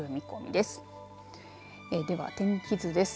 では、天気図です。